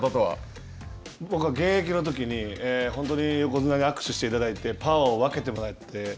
僕は現役のときに本当に横綱に握手していただいてパワーを分けてもらって。